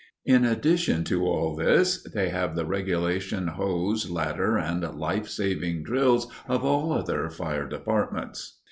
In addition to all this they have the regulation hose, ladder, and life saving drills of all other fire departments.